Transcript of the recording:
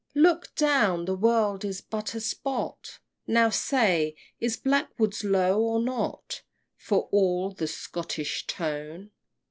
XX. Look down! the world is but a spot. Now say Is Blackwood's low or not, For all the Scottish tone?